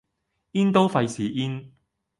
in 都費事 in